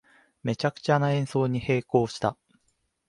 めちゃくちゃな演奏に閉口した